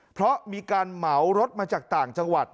เพราะมีการเหมารถมาจากต่างจังหวัด